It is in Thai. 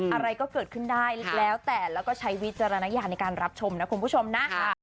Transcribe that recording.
อะไรก็เกิดขึ้นได้แล้วแต่แล้วก็ใช้วิจารณญาณในการรับชมนะคุณผู้ชมนะ